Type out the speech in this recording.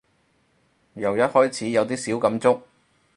由一開始有啲小感觸